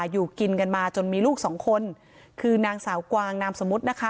อยู่กินกันมาจนมีลูกสองคนคือนางสาวกวางนามสมมุตินะคะ